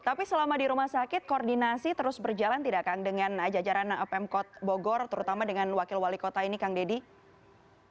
tapi selama di rumah sakit koordinasi terus berjalan tidak kang dengan jajaran pemkot bogor terutama dengan wakil wali kota ini kang deddy